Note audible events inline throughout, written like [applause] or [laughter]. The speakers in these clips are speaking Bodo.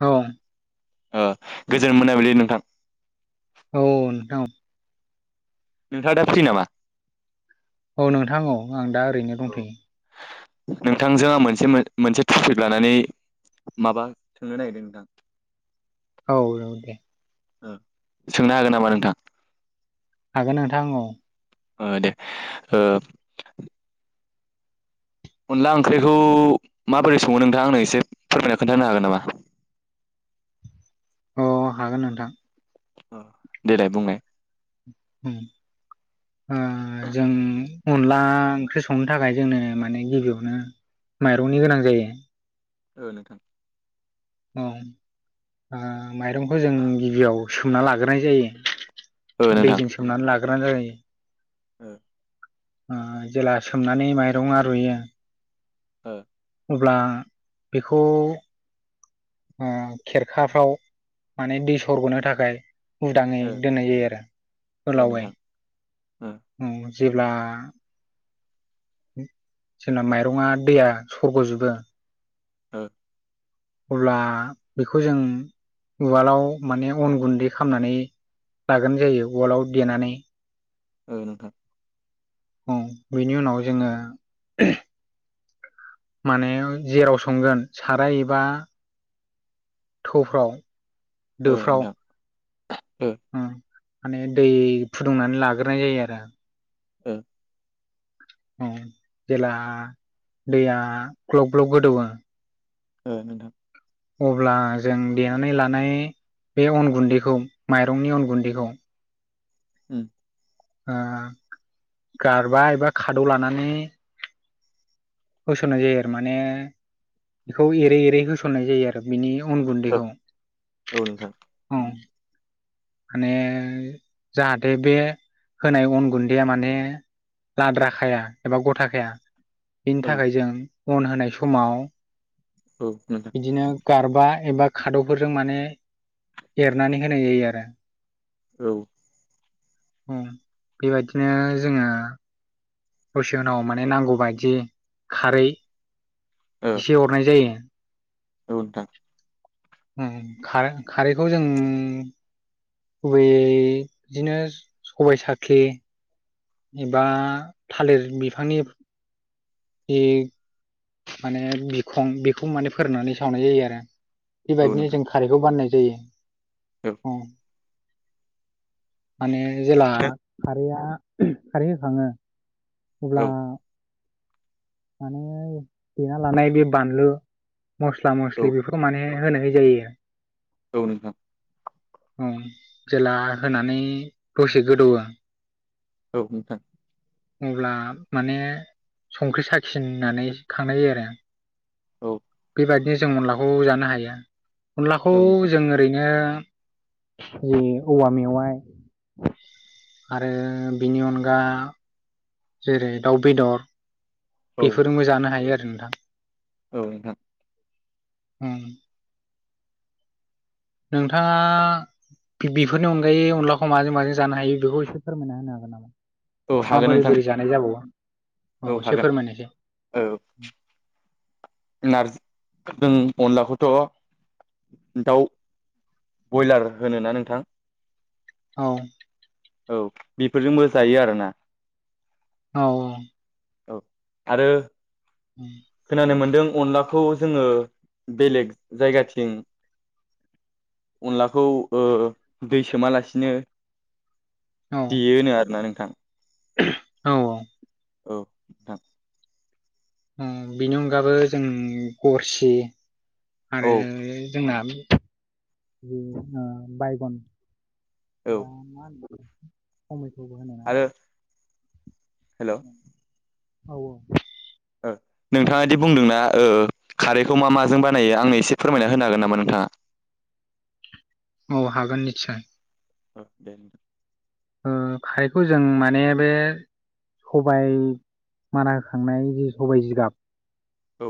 औ। ओ गोजोन मोनााबिलि नोंथां। औ नोंथां औ। नोंथाङ दा फ्रि नामा? औ नोंथां औ आं दा ओरैनो दंथ'यो। नोंथांजों आं मोनसे मोनसे टपिक लानानै माबा सोंनो नागिरदों नोंथां? औ दे। ओ सोंनो हागोन नामा नोंथां? हागोन नोंथां औ। ओ दे ओ अनला ओंख्रिखौ माबोरै सङो नोंथाङा आंनो एसे फोरमायना खोन्थानो हागोन नामा? अ' हागोन नोंथां। अ' देलाय बुंनाय? उम। ओ जों अनला ओंख्रि संनो थाखाय जोंनो माने गिबियावनो माइरंनि गोनां जायो। ओ नोंथां। ओं आ माइरंखौ जों गिबियाव सोमना लाग्रोनाय जायो। ओ नोंथां दैजों सोमनानै लाग्रोना जायो। ओ। आ जेला सोमनानै माइरंआ रुयो। ओ। अब्ला बेखौ ओ खेरखाफ्राव माने दै सरग'नो थाखाय। उदाङै ओ दोननाय जायो आरो ओ गोलावयै। नोंथां ओ उम जेब्ला जोंना माइरंआ दैया सरग'जोबो। ओ। अब्ला बेखौ जों उवालाव माने अन गुन्दै खामनानै लागोन जायो उवालाव देनानै। ओ नोंथां। औ बेनि उनाव जोङो माने जेराव संगोन साराय एबा थौफ्राव। ओ दोफ्राव नोंथां। उम माने दै फुदुंनानै लाग्रोनाय जायो आरो। ओ औ जेला दैया ग्लब ग्लब गोदौयो ओ नोंथां। अब्ला जों देनानै लानाय बे अन गुन्दैखौ माइरंनि अन गुन्दैखौ उम ओ गारबा एबा खादौ लानानै होसननाय जायो आरो माने बेखौ एरै एरै होसननाय जायो आरो बिनि उन ओ गुन्दैखौ औ नोंथां औ। माने जाहाथे बे होनाय अन गुन्दैया माने लाद्राखाया एबा गथाखाया बिनि औ थाखाय जों अन होनाय समाव औ नोंथां बिदिनो गारबा एबा खाद'फोरजों माने एरनानै होनाय जायो आरो। औ। औ बेबायदिनो जोङो दसे उनाव माने नांगौबादि खारै औ एसे हरनाय जायो। औ नोंथां। उम खा-खारैखौ जों गुबैय बिदिनो सबाय साखलि एबा थालिर बिफांनि जि माने बिखं बेखौ माने फोरान्नानै सावनाय जायो आरो। औ बेबायदिनो नोंथां जों खारैखौ बाननाय जायो। औ उम माने जेला खारैया खारै होखाङो। अब्ला औ माने देना लानाय बे बानलु मस्ला औ मस्लि बेफोरखौ माने होनाय जायो। औ नोंथां। औ जेला होनानै दसे गोदौवों औ नोंथां। अब्ला माने संख्रि साखिनो होननानै खांनाय जायो आरो। औ बेबायदिनो जों अनलाखौ जानो हायो अनलाखौ औ नोंथां जों ओरैनो औवा मेववाय आरो बनि अनगा जेरै दाउ बेदर औ बेफोरजोंबो जानो हायो आरो नोंथां। औ नोंथां। हम। नोंथाङा बेफोरनि अनगायै अनलाखौ माजों माजों जानो हायो बेखौ एसे फोरमायना होनो हागोन नामा? औ हागोन माबोरै नोंथां बोरै जानाय जाबावो औ एसे फोरमायनोसै नार्जिजों अनलाखौथ' दाउ बयलार होनो ना नोंथां? औ। औ बेफोरजोंबो जायो आरोना। औ। औ आरो खोनानो मोनदों अनलाखौ जोङो बेलेग जायगाथिं अनलाखौ ओ दै सोमालासिनो औ देयोनो आरोना नोंथां औ औ औ थां। ओं बेनि अनगाबो जों गरसि आरो औ जोंना बे ओ बायगन औ दाना खमायखौबो होनाय नामा हेलौ, औ औ नोंथाङादि बुंदोंना ओ खारैखौ मा माजों बानायो आंनो एसे फोरमायना होनो हागोन नामा नोंथाङा? [inaudible] औ हागोन निस्सय अ दे ओ खारैखौ जों माने बे सबाय माना होखांनाय जि सबाय जिगाब औ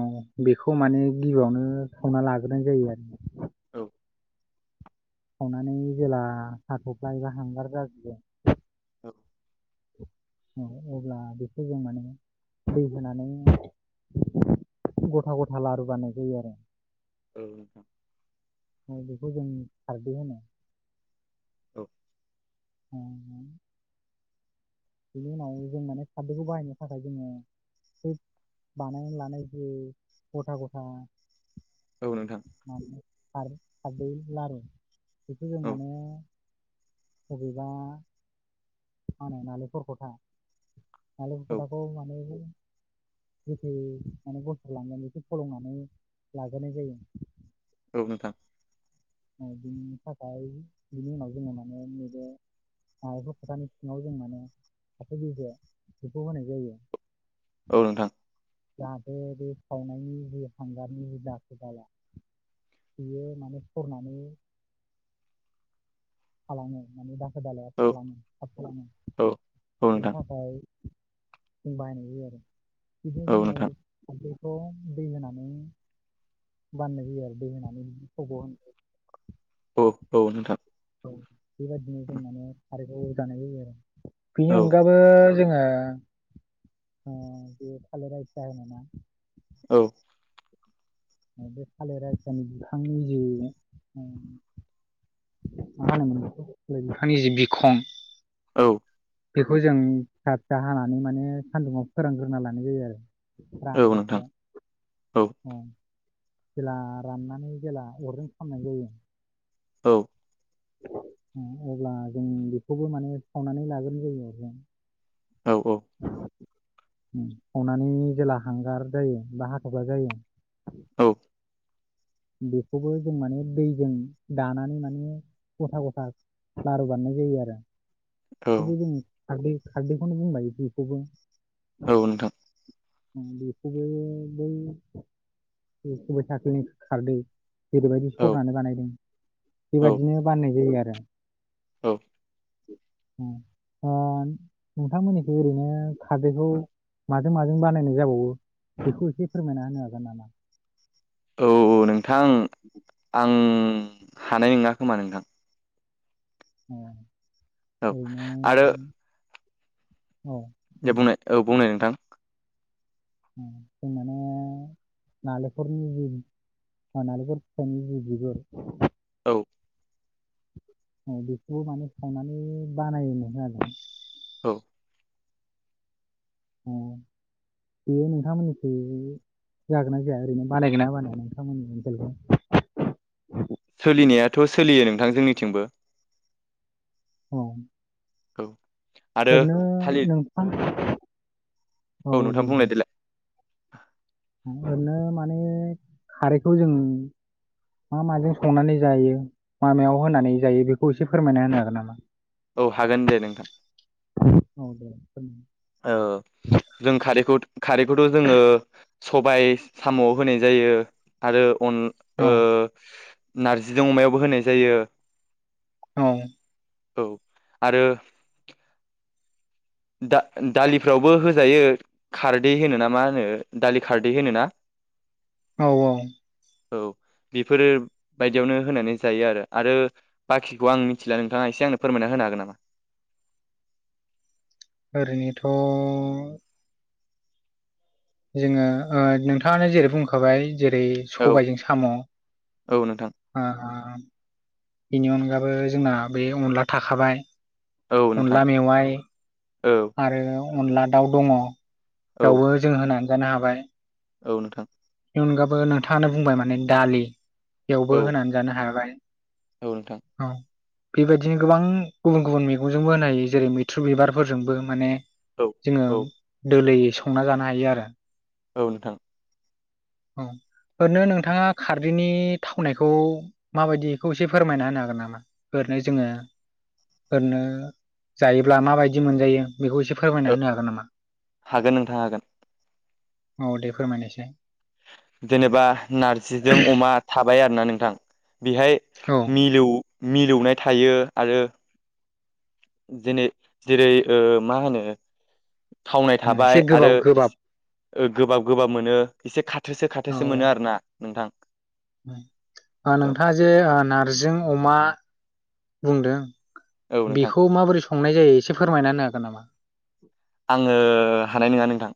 औ बेखौ माने गिबियावनो संना लाग्रोनाय जायो आरो औ सावनानै जेला हाथ'फ्ला एबा हांगार जाजुबो [inaudible] औ अब्ला बेखौ जों माने दै होनानै गथा गथा लारु बानाय जायो आरो औ नोंथां। बेखौ जों सारदै होनो ओं नों बिनि उनाव जों माने सारदखौ बाहायनो थाखाय जोङो बानाय लानाय जि गथा गथा औ नोंथां फारदै लारु बेखौ जों औ माने बबेबा मा होनो नालेंखर खथा आ लौ खोथाखौ मानो औ [inaudible] गोथै माने बनथ लांगोन बेखौ फलंनानै लाग्रोनाय जायो। औ नोंथां बिनि थाखाय बिनि उनाव जोङो माने नैबे एफा खथानि सिङाव जों माने साथसे बेसे बिफौ होनाय जायो। औ नोंथां जाहाथे बे सावनायनि जि हांगारनि जि दाखोर दाला बियो माने सरनानै थालाङो माने दाखोर दालायाव औ थाङो थाबङो औ औ बेनि नोंथां थाखाय जों बायनाय जायो आरो औ बिदिनो नोंथां जोङो दै होनानै बाननाय जायो आरो दै होनानै बि खब होन औ औ नोंथां औ बेबायदिनो जों माने खारैखौ जानाय जायो आरो बेनि औ औ अनगाबो जोङो ओ बे थालिराथिया होनोना औ बे थालिर आथियानि बिफांनि जि ओं मा [unintelligible] बिफानि जे बिखं औ बेखौ जों फिसा फिसा हानानै माने सानदुङाव फोरोंग्रोना लानाय जायो आरो औ नोंथां औ नोंथां रानजासे औ ओं जेला राननानै जेला अरजों खालामनाय जायो। औ अब्ला जों बेखौबो माने सावनानै लाग्रोनाय जायो आरो जों औ औ सावनानै जेला हांगार जायो बा हाथ'फ्ला जायो औ बेखौबो जों माने दैजों दानानै माने गथा गथा लारु बानायनाय जायो आरो बेखौबो जों खारदै खारदैखौनो बुंबाय बेखौबो औ नोंथां बेखौबो बै सबाइ साक्लिनि खारदै जेरैबायदि सरनानै बानायदों बेबायदिनो बाननाय जायो आरो औ ओ नोंथांमोननिखै ओरैनो खारदैखौ माजों माजों बानायनाय जाबावो बेखौ एसे फोरमायना होनो हागोन नामा औ नोंथां आं हानाय नङा खोमा नोंथां औ औ आरो औ बुं दे बुंनाय औ बुंनाय नोंथां जों माने नालेंखरनि जि ओ नालेंखर बिफांनि जि बिगुर औ। औ बेखौबो माने सावनानै बानायोमोन आरो। औ। अ [inaudible] बेयो नोंथांमोननिखै जागोन ना जाया ओरैनो बानायगोन ना बानाया नोंथांमोननि ओनसोलखै सोलिनायाथ' सोलियो नोंथां जोंनिथिंबो औ। औ। आरो ओरैनो थालिर नोंथां औ दे नोंथां बुं बुंलाय देलाय ओरैनो माने खारैखौ जों मा माजों संनानै जायो मा मायाव होनानै जायो बेखौ एसे फोरमायना होनो हागोन नामा? औ हागोन दे नोंथां। औ दे ओ जों खारैखौ खारैखौथ' जोङो सबाय साम' होनाय जायो आरो अन औ ओ नारजिजों अमायावबो होनाय जायो। औ औ आरो दा दालिफ्रावबो होजायो खारदै होनो ना मा होनो दालि खारदै होनो ना। औ औ। औ। बेफोरो बायदियावनो होनानै जायो आरो बाखिखौ आं मिथिला नोंथाङा एसे आंनो फोरमायना होनो हागोन नामा? ओरैनोथ' जोङो ओ नोंथाङानो जेरै बुंखाबाय जेरै औ सबायजों साम'ओ औ नोंथां बेनि अनगाबो जोंना बे अनला थाखाबाय औ नोंथां अनला मेवाइ औ आरो अनला दाउ दङ। औ बेयावबो जों होनानै जानो हाबाय। औ नोंथां। बेनि अनगाबो नोंथाङानो बुंबाय माने दालि औ बेयावबो होनानै जानो हाबाय। औ नोंथां। औ बेबायदिनो गोबां गुबुन गुबुन मैगंजोंबो होनो हायो जेरै मैथ्रु बिबारफोरजोंबो माने औ जोङो औ दोलोयै संना जानो हायो आरो। औ नोंथां। औ। ओरैनो नोंथाङा खारदैनि थावनायखौ माबायदिखौ एसे फोरमायना होनो हागोन नामा? माने जोङो ओरैनो जायोब्ला माबायदि मोनजायो बेखौ एसे फोरमायना होनो हागोन नामा? हागोन नोंथां हागोन औ दे फोरमायनायसाय जेनेबा नारजिजों अमा थाबाय आरोना नोंथां। बेहाय औ मिलौ मिलौनाय थायो आरो। जेने जेरै ओ मा होनो थावनाय एसे थाबाय आरो गोबाब गोबाब गोबाब गोबाब मोनो एसे खाथोसो खाथोसो मोनो आरो ना नोंथां। औ नोंथाङा जे नारजिजों अमा बुंदों औ नोंथां बेखौ माबोरै संनाय जायो एसे फोरमायना होनो हागोन नामा? आङो हानाय नङा नोंथां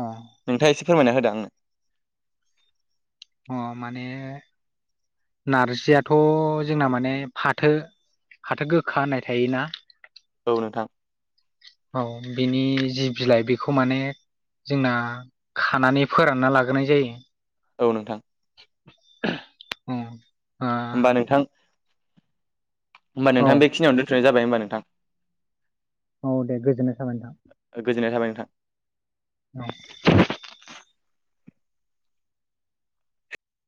अ नोंथाङा एसे फोरमायना होदों। उम अ माने नारजियाथ' जोंना माने फाथो फाथो गोखा होननाय थायोना औ नोंथां। औ बिनि जि बिलाइ बेखौ माने जोंना खानानै फोरानना लाग्रोनाय जायो। औ नोंथां उम होमबा नोंथां होमबा ओ नोंथां बेखिनियावनो दोन्थनाय जाबाय होमबा नोंथां। औ दे गोजोननाय थाबाय नोंथां। हा औ